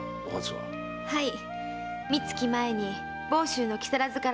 はい。